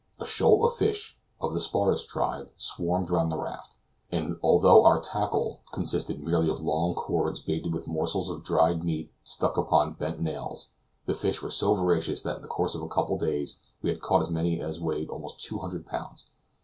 A shoal of fish, of the sparus tribe, swarmed round the raft, and although our tackle consisted merely of long cords baited with morsels of dried meat stuck upon bent nails, the fish were so voracious that in the course of a couple of days we had caught as many as weighed almost 200 lbs.